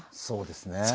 そうですね。